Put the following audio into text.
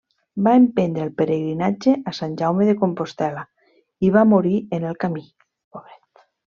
Va emprendre el pelegrinatge a Sant Jaume de Compostel·la i va morir en el camí.